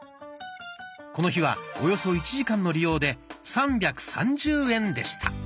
この日はおよそ１時間の利用で３３０円でした。